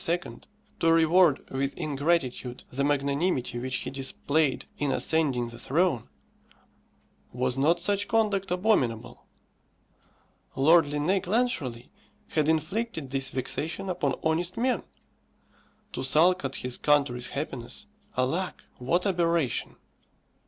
to reward with ingratitude the magnanimity which he displayed in ascending the throne was not such conduct abominable? Lord Linnæus Clancharlie had inflicted this vexation upon honest men. To sulk at his country's happiness, alack, what aberration!